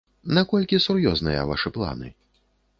Наколькі сур'ёзныя вашы планы?